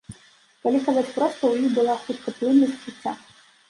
Калі казаць проста, у іх была хуткаплыннасць жыцця.